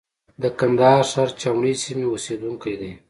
د کندهار ښار چاوڼۍ سیمې اوسېدونکی دی.